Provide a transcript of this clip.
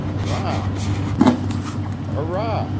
Hurrah!" "Hurrah!"